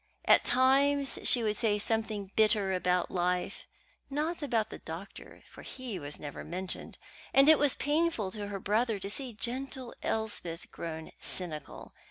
At times she would say something bitter about life (not about the doctor, for he was never mentioned), and it was painful to her brother to see gentle Elspeth grown cynical.